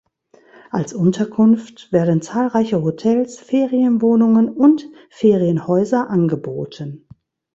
Als Unterkunft werden zahlreiche Hotels, Ferienwohnungen und Ferienhäuser angeboten.